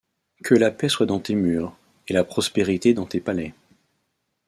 Que la paix soit dans tes murs, et la prospérité dans tes palais.